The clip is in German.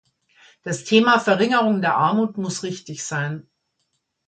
Das Thema Verringerung der Armut muss richtig sein.